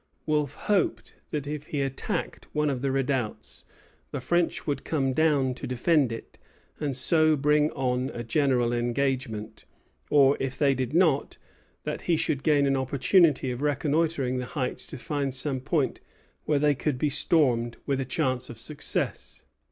Wolfe hoped that, if he attacked one of the redoubts, the French would come down to defend it, and so bring on a general engagement; or, if they did not, that he should gain an opportunity of reconnoitring the heights to find some point where they could be stormed with a chance of success.